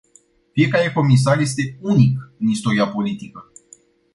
Fiecare comisar este unic în istoria politică.